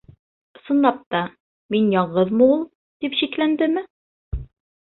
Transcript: Ысынлап та, мин яңғыҙмы ул, тип шикләндеме?